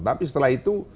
tapi setelah itu